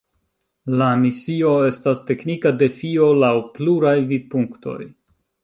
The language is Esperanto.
La misio estas teknika defio laŭ pluraj vidpunktoj.